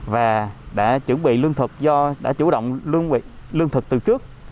và đã chuẩn bị lương thực do đã chủ động lương thực từ trước